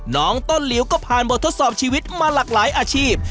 น้องต้นหลิวก็ผ่านบททดสอบชีวิตมาหลากหลายอาชีพ